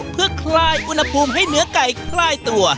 เพื่อคลายอุณหภูมิให้เนื้อไก่ใกล้ตัว